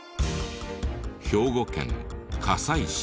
兵庫県加西市。